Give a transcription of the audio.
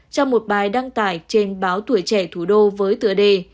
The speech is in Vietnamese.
trong một bài đăng tải trên báo tuổi trẻ thủ đô với tựa đề